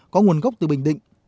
có nguồn gốc từ bình định